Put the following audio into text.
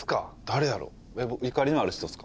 誰やろ？